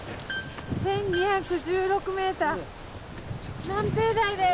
１，２１６ｍ南平台です。